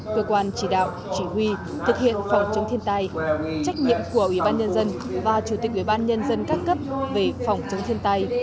cơ quan chỉ đạo chỉ huy thực hiện phòng chống thiên tai trách nhiệm của ủy ban nhân dân và chủ tịch ủy ban nhân dân các cấp về phòng chống thiên tai